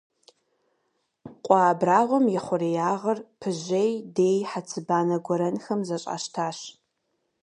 Къуэ абрагъуэм и хъуреягъыр пыжьей, дей, хьэцыбанэ гуэрэнхэм зэщӀащтащ.